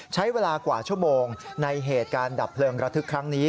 ใช้เวลากว่าชั่วโมงในเหตุการณ์ดับเพลิงระทึกครั้งนี้